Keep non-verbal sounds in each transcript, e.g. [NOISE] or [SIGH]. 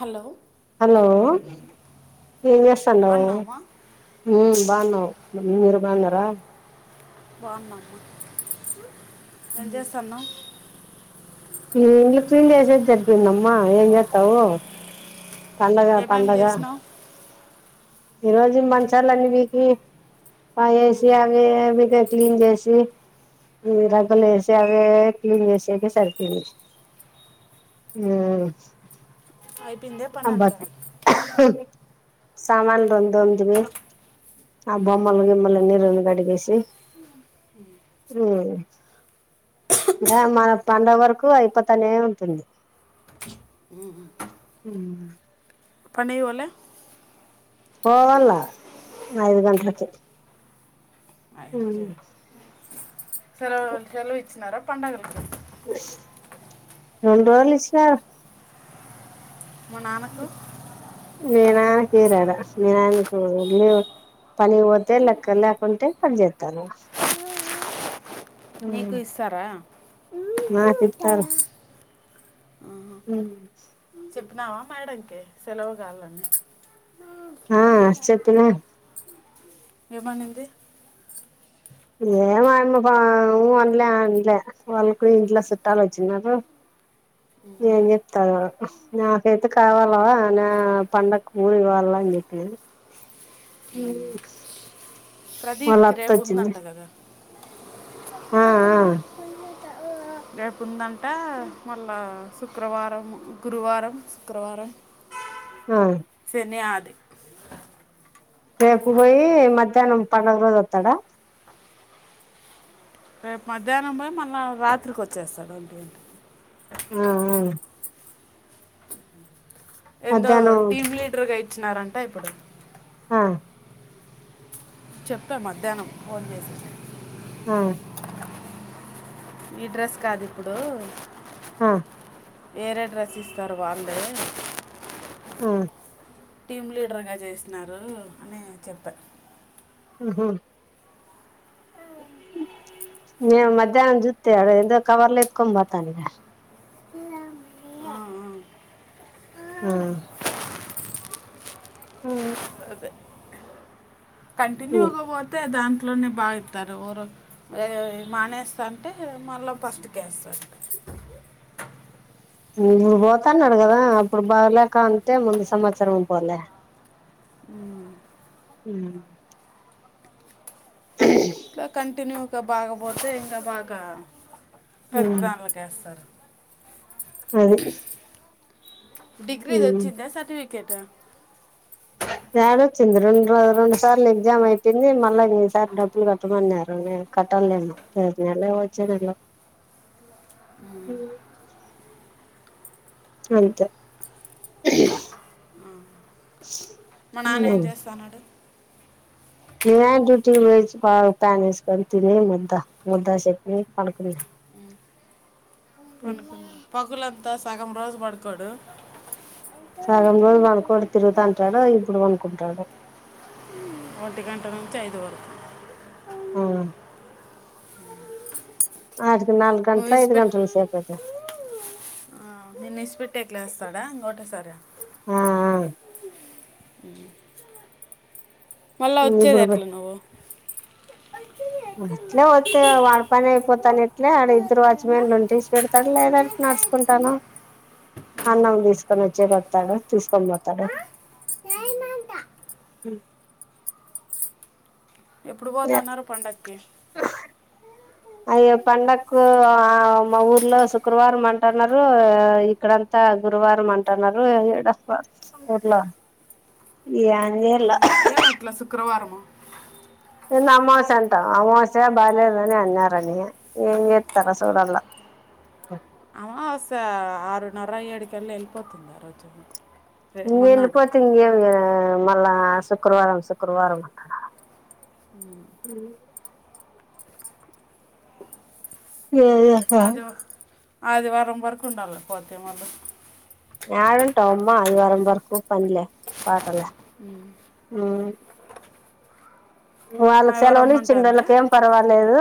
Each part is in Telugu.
హలో హలో ఏం చేస్తాన్నావు బాగున్నావా ఉమ్ బాగున్నావ్ మీరు బాగున్నారా బ అ ఏం చేస్తున్నావు ఇ ఇల్లు క్లీన్ చేసికి సరిపోయింది అమ్మా ఏం చేతావు పండగ ఏమేం పండగ చేసినావు ఈ రోజు మంచాలనీ పికి ఆ ఏసి అవి అవి తెప్ క్లీన్ చేసి రగలు వేసి అవే అవే క్లీన్ చేసేది సరిపోంది అయిపోయింద పన్నంత సామాన్ రెండు తొమిటిమి ఆ బొమ్మలు గిమ్మలు అని రెండు గడిగేసి మన పడుగ వరకు అయిపోతనే ఉంటుంది హ పనికి పోలే పోవాల ఐదు గంటలకి అ సలవు సలవుచ్చినారా పండగకి రెండురోజులు ఇచ్చినారు మా నాన్న కు మీ నయనకి ఇయ్యారు యాడ మీ నయనాకు పనికి పోతే లెక్క లేకుంటే పని చేస్తారు నీకు ఇస్తారా నాకు ఆహా. హ చెప్పినావా మేడంకి సెలవు కావాలని ఆ చెప్పిన ఏం అనింది ఏమమ్మఊ అనలే అనలే వాళ్ళకు ఇంట్లో చుట్టాలు వచ్చినరూ నేం చెప్తారు నాకైతే కావాల నా పండగకి ఊరుకి ఇవ్వాల అని చెప్పినను ప్రదీప్కి రేపుందంట కదా ఆ ఆ రేపు ఉందంట మళ్ళా శుక్రవారం గురువారం శుక్రవారం ఆ న్యాది రేపు పోయి మధ్యాహ్నం పండగ రొజు వత్తడా రేపు మధ్యాహ్నం పోయి మళ్ళా రాత్రికి వచ్చేస్తాడు ఒంటిగంటాకి ఆ ఎందో మధ్యాహ్నం టీమ్ లీడర్ కై వచ్చినారంటే ఇప్పుడు ఓ చెప్పా మధ్యాహ్నం ఫోన్ చేసి ఆ ఈ డ్రెస్ కాదు ఇప్పుడు ఆ వేరేడ్రస్ ఇస్తారు గా వల్లే వొన్ టీమ్ లీడర్గా చేసినారు అని చెప్పా ఉహో మే మధ్యాహ్నం జుత్తివా వాడు ఎందో కవర్లో ఎత్తుకొని పొతాండే ఆ, ఆ. ఆ ఆ కంటిన్యూగ పొతే ద్యాన్ అట్లన్న బాగా ఇత్తారు ఆ మానేస్త అంటే మళ్ళీ ఫస్ట్ కీ వేస్తారు ఇప్పుడు పోతున్నాడు కదా అప్పుడు బాగలేక అంటే ముందు సంవత్సరం పోలే వును అ ఇట్లే కంటిన్యూ గా బాగపోతే ఇంకా బాగా పెద్ద దాన్లోకేస్తారు ఓహో డిగ్రీ ది వచ్చిందా సర్టిఫి క్రికెటా యడ వచ్చింది రెండు రెండు సార్లు ఎగ్జామ్ పెట్టింది మళ్ళా ఈసారి డబ్బులు కట్టమన్నారు కట్టాలి ఇంకా రేపు నెల వచ్చే నెల ఎంత మా నాన్న ఏం చేస్తాన్నాడు ఒవర్ డ్యూటీ చేసి బాగ ఫ్యాన్ వేసుకోనీ తిని ముద్దా ముద్దా చెట్ని తిని పడుకున్నాడు పనుకున్న పకులబ్ సగం రోజు పడుకోడు సగంలో పడుకోడు తిరుగుతంటాడు ఇప్పుడు పనుకుంటాడు ఒంటి గంట నుంచి ఐదు వరకు అ అహు [UNINTELLIGIBLE] నాలుగు నువ్వు గంటట్లొ ఐదు ఇసిపెట్ గంటల సేపుఅయితా నిన్ను ఇడిసీ పెట్టి ఎట్లా ఆడుతాడ ఒక్కటే సారి ఆ ఆ అ మళ్ళా వచ్చేది ఇప్పుడు ఎట్లా నువ్వు అట్లే వస్తే వాడి పని అయిపోతాను ఇట్లే వాడ ఇద్దరు వాచమాన్లు ఉంటే ఈడ్చి పెడతాడు లేదంటే నడుచుకుంటాను అన్నం తీసుకొని వచ్చేపోతాడు తీసుకొని పోతాడు ఎప్పుడు పోతున్నారు పండకి అయ్యో పండకు ఆ మా ఊర్లో శుక్రవారం అంటున్నారు ఇక్కడంతా గురువారం అంటున్నారు ఏడబ్బా ఊర్లో ఏందో ఇళ్ళు ఏమట్లా శుక్రవారము ఇంద అమావస్య అంటా అమావస్య బాలేదని అన్నారని ఏం చేస్తారో చూడాలా వాస ఆరున్నర ఏడుకల్ల్లో వెళ్ళిపోతుంది ఆ రోజు రే న మన్నాడు ఎల్లిపోతే ఇంకేం మల్ళ శుక్రవారం శుక్రవారం ఆది ఏ ఆదివారం వరకు ఉండలి పోతే మళ్ళ యాడుంటం అమ్మ ఆదివారం వరకు పనిలే పాటలే హ్మ్ వాళ్ళకీ ఎవరు సెలవులు ఇచ్చింది రమ్మంటుందే వాళ్లకేం పర్వాలేదు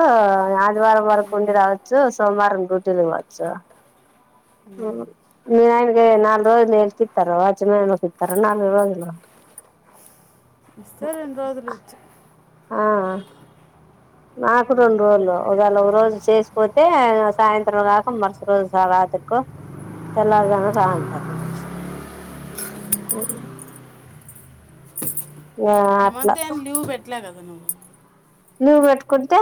శుక్రవారం వరకు ఉండి రావచ్చు సోమవారం రోటలు వాచ్చ నాలుగు రోజులు ఎంతిస్తారు వచ్చినరోజు ఇస్తారు నాలుగు రోజులు మస్ రెండూ రోజులీచ్చ ఆ నాకు రెండు రోలు ఒకవేళ ఒక రోజు చేసిపోతే సాయంత్రం కాక మరుసటి రోజు రాత్రిక తెల్లారుదని రా అంటారు ఇగ ఈ అట్లా మధ్యం లీవ్ పెట్టలే కదా ధన్వా లీవ పెట్టుకుంటే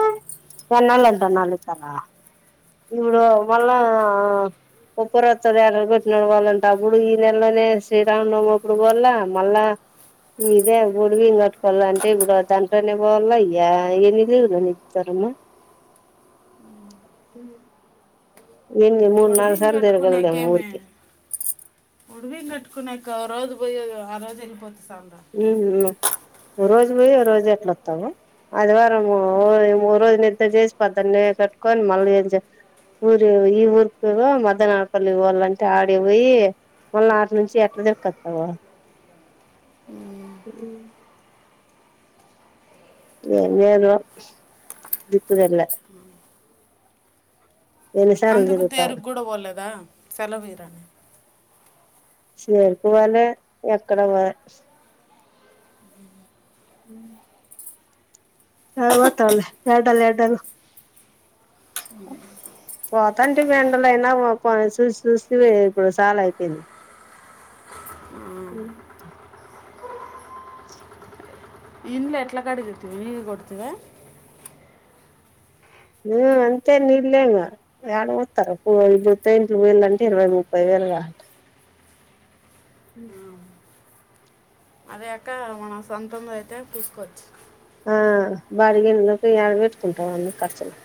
జన్నాలంట నాలుగు తార ఈడు వళ్ళ ఉప్పురత్త ఎర కొట్టినడకోవాలంటే అప్పుడు ఈ నెలలోనే శ్రీరామనవమ ఇప్పుడు పోల్ మళ్ళా ఇ ఇదే బడివి కట్టుకోవాల అంటే ఇప్పుడు దాంట్లోనే పోవల ఇయె ఎన్ని లేనితారుమ్మా ఉ ఓడి బియ్యం తిరగలదేమో కటుకునికేమి ఊరికి ఓడి బియ్యం కటుకునిక అజ పోయ ఆ రోజు వెలిపోతా ఉ ఓ రోజు పోయి ఓ రోజు ఎట్ల వస్తావు ఆదివారంము ఓ రోజు నిద్ర చేసి పద్ద్దన్న కట్టుకొని మళ్ళీ ఊరి ఈ ఊరికి మధ్యానడపల్లి వాళ్ళంటే ఆడి పోయి మళ్ళీ ఆటి నుంచి ఎట్లా దక్కొస్తావా ఏదో దిక్కుదేళ్ల ఎన్నిసార్లు అందుకు తిరుగుతావు తేరుగు గుడ పోలేదా సెలవీరని చేరుకోవాలె ఎక్కడ [UNINTELLIGIBLE] ఉ [UNINTELLIGIBLE] ఎడలు ఎడలు పోతాంటే ఎండల అయినా చూసి చూసి ఇప్పుడు చాలా అయిపోయింది ఇండ్లు ఎట్ల కడిగితివి [UNINTELLIGIBLE] కొడుతీవ ఆ అంతే నీలే ఇంగా ఏడ వస్తారు ఇ తది వేలు అంటే ఇరవై ముప్పై వేలు కాళ్ళ ఉ అదే అక్క మన సొంతము అయితే పూసుకొచ్చు ఆ బాగిగిండ్లకు యాడ పెట్టుకుంటావూ ఖర్చులు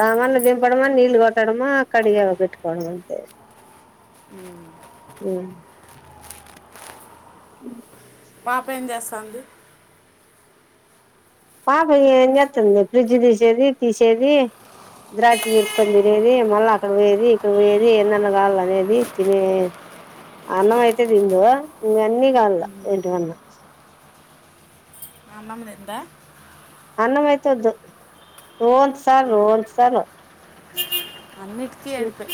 సామాన్లు దింపడమా నీళ్ళలు కొట్టడమా అక్కడిగా పెట్టుకోవడం అంతే పాప ఏం చేస్తాంది పాప ఏం చేస్తుంది ఫ్రిడ్జ్ తీసేది తీసేది ద్రాచి పెకోని తినేది మళ్ళా అక్కడ పోయేది ఇక్కడ పోయేది ఎన్నన్నా కాల అనేది తినే అన్నం అయితే తిందో ఇ అన్న కాాల ఇంటివన్న అన్నం తిందా అన్నం అయితే ఒద్దు రోంత సాల్ రోంత్ సాల్ కేడుపే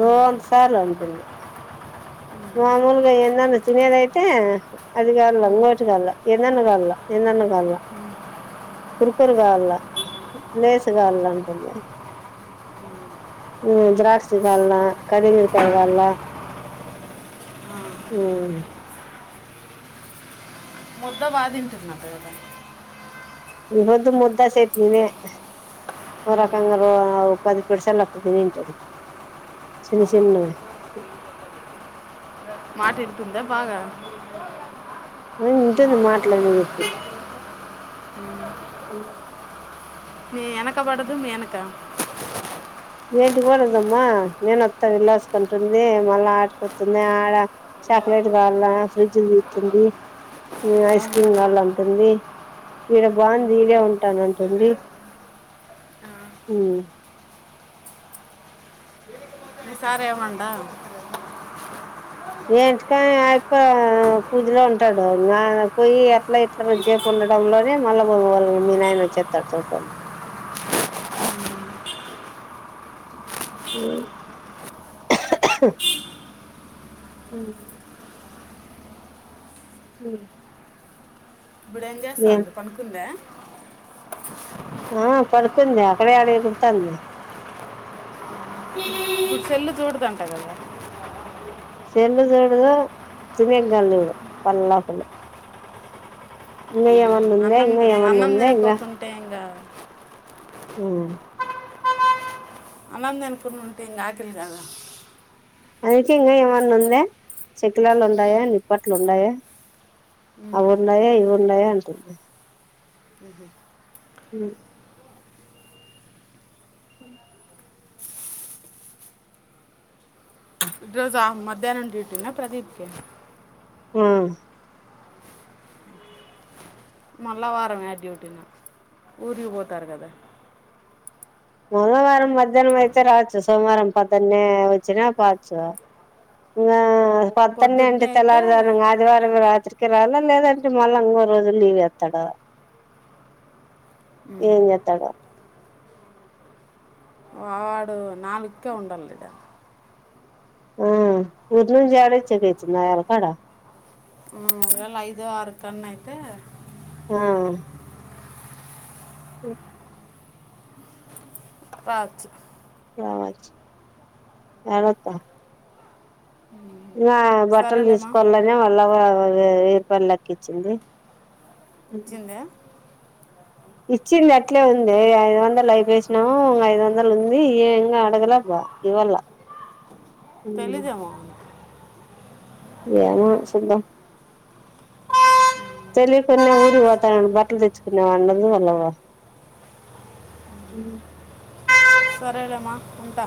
రోంత్ సాల్ అంటుంది మామూలుగా ఎందన్న తినేదైతే అది కావాల అంగోటి కావల ఎందన్నా కావాల ఎందన్న కాళ కుర్కురు కావాల లేసు కావాల అంటుంది ద్రాక్ష కాల కాలందరి కాయ్ కాల ఉ ముద్ద బాగ తింటుంది అంట కదా ఈ పొద్దు ముద్దా చట్నీ నే ఓరకంగా పది పిడుసాల తినింటది చిన్న చిన్న వి మాటింటుందా బాగ ఉ ఇంటుంది మ [UNINTELLIGIBLE] ఉ స మీ ఎనక పడదు మీ ఎనక ఏంటి కూడాదమ్మా నేనుత్తా వెళ్లాసుకుంటుంది మళ్ళా ఆడటుకొతుంది ఆడ చాక్లెట్ కావాల ఫ్రిడ్జ్ దితుంది ఐస్ క్రీమ్ కావాలంటుంది ఈడ బాగు దీడ ఉంటానుంటుంది మీ సార్ ఏమండ ఏంటికాని ఆ యాప పూజలో ఉంటాడు పోయి ఎట్లా ఇట్ల చేపు ఉండడంలోనే మళ్ళ మీ నాయన వచ్చేస్తాడు చూకని ఉ ఇప్పుడు ఏం చేస్తాంది పనుకుందా ఆ పడుకుంది అక్కడే అడ ఎగురుతాంది ఇప్పుడు సెల్ చూడదా గద చెల్ చూడుదు [UNINTELLIGIBLE] చూడు పళ్ళ పోగులు అన్నం ఇంగా ఏమన్నా అన్నం ఉందా తినకోకుంటే ఇంగా ఆ అన్నం తింకునుంటే ఉంటే ఇంకా ఆకలి కాద అందుకే ఇంకా ఏమన్నా ఉందా చెక్కిలాలు ఉన్నాయా నిప్పట్లు ఉన్నాయా అవున్నాయా ఇవి ఉన్నాయా అంటుంది అ ఉ ఈరోజు అహమద్ మధ్యాహ్నం చేసిన్న ప్రదీప్ కి ఆ మళ్ళా వారం ఏ డ్యూటీనో ఊరికిపోతాడు కదా మంగవారం మధ్యాహ్నం అయితే రావచ్చు సోమవారం పద్దన్నే వచ్చిన పాచ్చు ఇంగా పద్దన్నే పొద్దున్నే అంటే అయితే తెల్లారుదన ఆదివారం రాత్రి ఇక్కరాలా లేదంటే మళ్ళా ఇంగో రోజులు లీవ్ వేత్తడు ఏం ఉమ్, చెత్తడో నాలుక్కే ఉండాలి కదా ఉ ఊరిలోంచాడ వచ్చ క వచ్చిందయాలకాడ ఉ ఒకవేళ ఐదు, ఆరు తన్న అయితే ఆ ఓ పాచ్ పాచ్ జాగ్రత్త ఇంగా బట్టలు సరేలేమా తీసుకోవాలనే వాళ్ళ అవ్వ ఏపల్లకిచ్చింది చిందే ఇచ్చింది అట్లే ఉంది ఐదు వందలు అయిపోసినాము ఇంగ ఐదు వందలు ఉంది ఏ ఇంగ అడగల బ్బా ఇవ్వళ్ళ తెలిదేమో ఏమో చూద్దాం తెలికున్న ఊరి పోత బట్టలు తెచ్చుకున్నవు అనరు వాళ్లు ఉ సరేలేమా ఉంటా